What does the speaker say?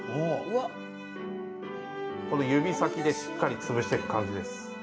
この指先でしっかり潰していく感じです。